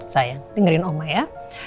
sayang dengerin oma ya